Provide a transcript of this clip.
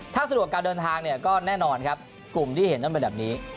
ถ้าสะดวกการเดินทางเนี่ยก็แน่นอนครับกลุ่มที่เห็นต้องเป็นแบบนี้